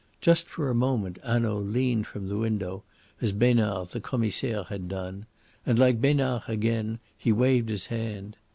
Just for a moment Hanaud leaned from the window, as Besnard, the Commissaire, had done, and, like Besnard again, he waved his hand.